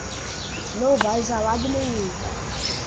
Não vais a lado nenhum!